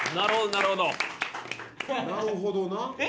なるほどな。